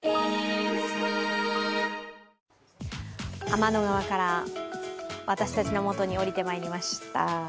天の川から、私たちのもとに下りてまいりました。